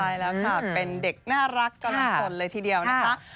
ใช่แล้วค่ะเป็นเด็กน่ารักกำลังสนเลยทีเดียวนะคะ